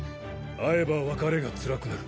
会えば別れがつらくなる。